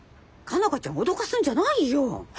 佳奈花ちゃんを脅かすんじゃないよ。